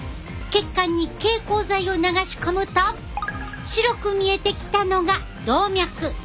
血管に蛍光剤を流し込むと白く見えてきたのが動脈。